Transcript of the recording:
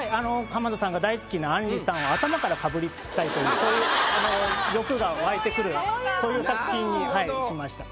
浜田さんが大好きなあんりさんを。というそういう欲が湧いてくるそういう作品にしました。